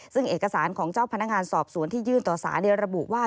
ซึ่งเอกสารของเจ้าพนักงานสอบสวนที่ยื่นต่อสารระบุว่า